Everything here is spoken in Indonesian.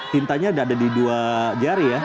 tintanya ada di dua jari ya